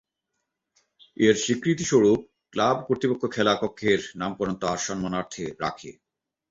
এর স্বীকৃতিস্বরূপ ক্লাব কর্তৃপক্ষ খেলার কক্ষের নামকরণ তার সম্মানার্থে রাখে।